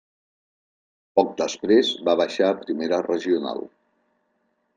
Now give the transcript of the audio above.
Poc després va baixar a Primera regional.